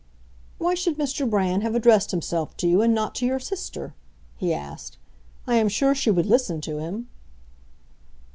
"Why should Mr. Brand have addressed himself to you, and not to your sister?" he asked. "I am sure she would listen to him."